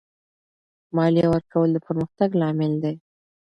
مالیه ورکول د پرمختګ لامل دی.